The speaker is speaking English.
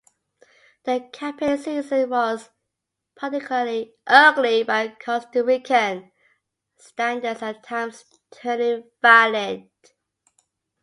The campaign season was particularly ugly by Costa Rican standards, at times turning violent.